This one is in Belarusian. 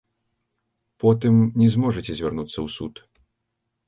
Потым не зможаце звярнуцца ў суд.